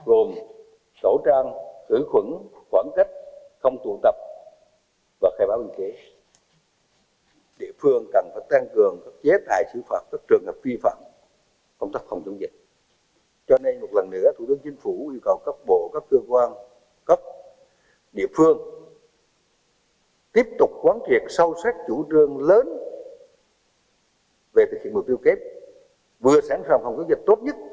vừa sẵn sàng phòng chống dịch tốt nhất vừa đẩy mạnh sản xuất